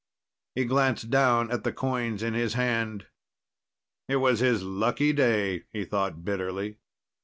He glanced down at the coins in his hand. It was his lucky day, he thought bitterly.